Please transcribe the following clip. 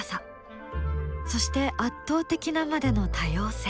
そして圧倒的なまでの多様性。